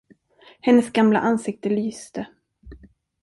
Hennes gamla ansikte lyste.